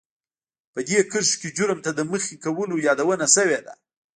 په دې کرښو کې جرم ته د مخې کولو يادونه شوې ده.